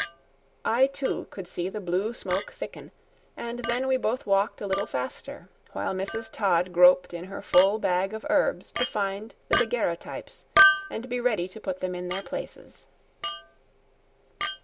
I too could see the blue smoke thicken, and then we both walked a little faster, while Mrs. Todd groped in her full bag of herbs to find the daguerreotypes and be ready to put them in their places.